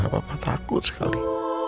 papa takut sekali